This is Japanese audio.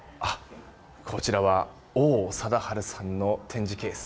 こちらは王貞治さんの展示ケース。